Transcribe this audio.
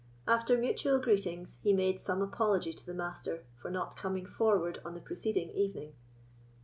After mutual greetings, he made some apology to the Master for not coming forward on the preceding evening.